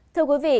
thưa quý vị